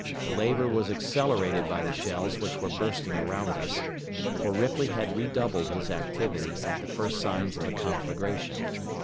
The labor was accelerated by the shells which were bursting around us; for Ripley had redoubled his activity at the first signs of a conflagration.